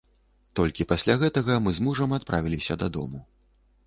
Толькі пасля гэтага мы з мужам адправіліся дадому.